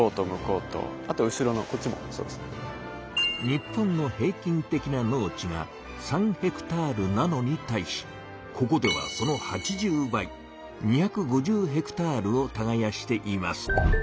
日本の平均的な農地が３ｈａなのに対しここではその８０倍２５０ｈａをたがやしています。